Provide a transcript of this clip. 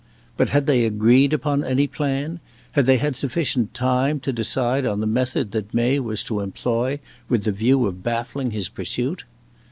But had they agreed upon any plan? Had they had sufficient time to decide on the method that May was to employ with the view of baffling his pursuit?